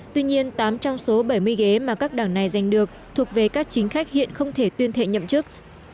tuy nhiên tám trong số bảy mươi ghế mà các đảng này giành được thuộc về các chính khách hiện không thể tuyên thệ nhậm chức